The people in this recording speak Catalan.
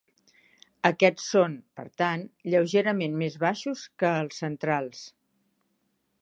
Aquests són, per tant, lleugerament més baixos, que els centrals.